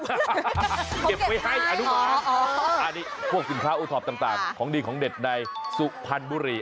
อันนี้เก็บไว้ให้อนุมานอันนี้พวกสินค้าโอท็อปต่างของดีของเด็ดในสุพรรณบุรี